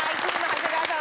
長谷川さん。